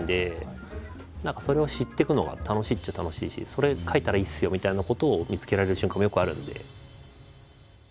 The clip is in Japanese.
何かそれを知っていくのが楽しいっちゃ楽しいしそれ描いたらいいですよみたいなことを見つけられる瞬間もよくあるので。